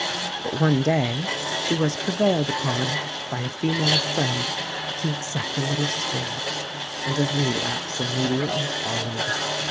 But one day she was prevailed upon by a female friend to accept a little spirits; and a relapse immediately followed.